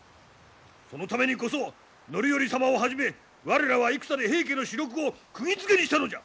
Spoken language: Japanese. そのためにこそ範頼様をはじめ我らは生田で平家の主力をくぎづけにしたのじゃ！